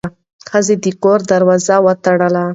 ښځه د کور دروازه وتړله.